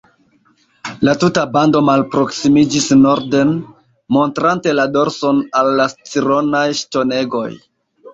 La tuta bando malproksimiĝis norden, montrante la dorson al la Scironaj ŝtonegoj.